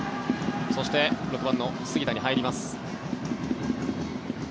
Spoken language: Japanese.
そして、６番の杉田に入ります。